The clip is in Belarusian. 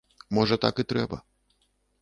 Можа, так і трэба.